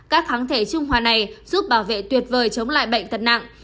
các kháng thể trung hoa này giúp bảo vệ tuyệt vời chống lại bệnh tật nặng